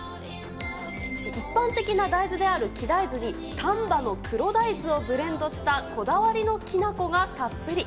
一般的な大豆である黄大豆に丹波の黒大豆をブレンドしたこだわりのきな粉がたっぷり。